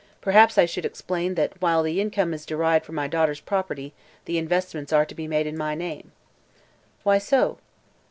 Perhaps I should explain that while the income is derived from my daughter's property the investments are to be made in my name." "Why so?"